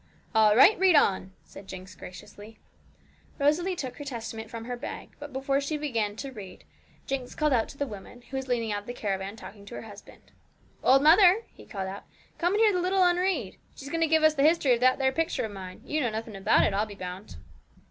'All right! read on,' said Jinx graciously. Rosalie took her Testament from her bag; but before she began to read, Jinx called out to the woman, who was leaning out of the caravan talking to her husband. 'Old mother,' he called out, 'come and hear the little 'un read; she's going to give us the history of that there picture of mine. You know nothing about it, I'll be bound.'